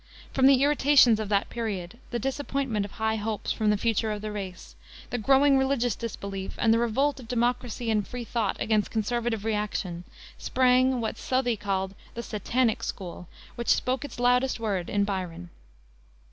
From the irritations of that period, the disappointment of high hopes for the future of the race, the growing religious disbelief, and the revolt of democracy and free thought against conservative reaction, sprang what Southey called the "Satanic school," which spoke its loudest word in Byron.